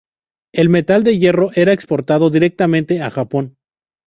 El metal de hierro era exportado directamente a Japón.